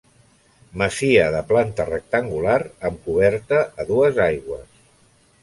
Masia de planta rectangular, amb coberta a dues aigües.